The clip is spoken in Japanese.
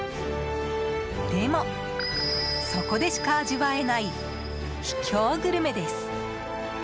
でも、そこでしか味わえない秘境グルメです。